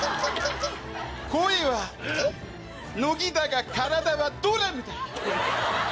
声は乃木だが体はドラムだ！